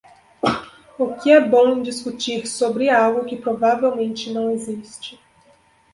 O que é bom em discutir sobre algo que provavelmente não existe?